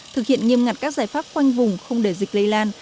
thực hiện nghiêm ngặt các giải pháp khoanh vùng không để dịch lây lan